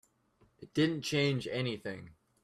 It didn't change anything.